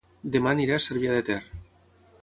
Dema aniré a Cervià de Ter